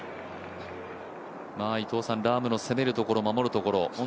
ラームの攻めるところ守るところ。